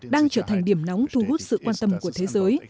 đang trở thành điểm nóng thu hút sự quan tâm của thế giới